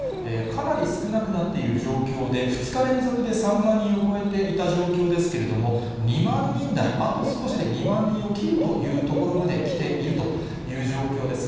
かなり少なくなっている状況で、２日連続で３万人を超えていた状況ですけれども、２万人台、あと少しで２万人を切るというところまできているという状況です。